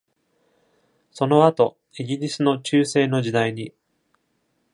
その後、イギリスの中世の時代に。